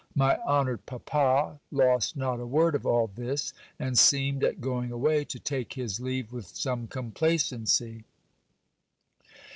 My honoured papa lost not a word of all this ; and seemed, at going away, to take his leave with some complacency.